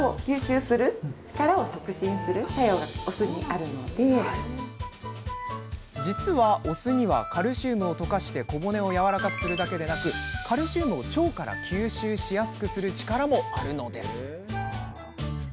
あとは実はお酢にはカルシウムを溶かして小骨をやわらかくするだけでなくカルシウムを腸から吸収しやすくする力もあるのです。